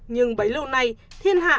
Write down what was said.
nhưng bấy lâu nay thiên hạ